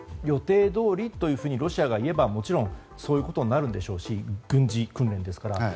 予定どおりとロシアがいえばもちろんそういうことになるんでしょうし軍事訓練ですから。